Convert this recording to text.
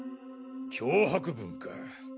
脅迫文か。